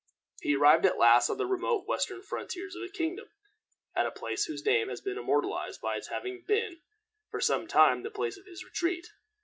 He arrived at last on the remote western frontiers of his kingdom, at a place whose name has been immortalized by its having been for some time the place of his retreat.